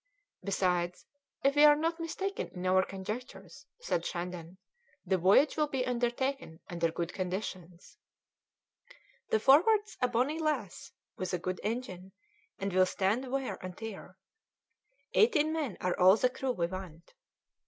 "Besides, if we are not mistaken in our conjectures," said Shandon, "the voyage will be undertaken under good conditions. The Forward's a bonny lass, with a good engine, and will stand wear and tear. Eighteen men are all the crew we want."